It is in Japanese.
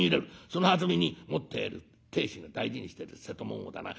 そのはずみに持っている亭主が大事にしてる瀬戸物をだな